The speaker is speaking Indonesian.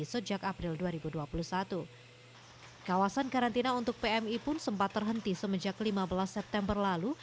sejak april dua ribu dua puluh satu kawasan karantina untuk pmi pun sempat terhenti semenjak lima belas september lalu